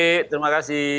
oke terima kasih